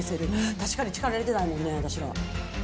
確かに力入れてないのにね、私ら。